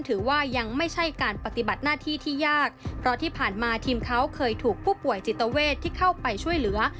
ถือว่ายังไม่ใช่การปฏิบัติหน้าที่ที่ยากเพราะที่ผ่านมาทีมเขาเคยถูกผู้ป่วยจิตเวทที่เข้าไปช่วยเหลือ